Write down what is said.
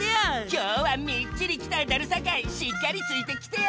きょうはみっちりきたえたるさかいしっかりついてきてや！